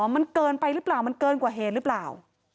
มันเกินไปหรือเปล่ามันเกินกว่าเหตุหรือเปล่า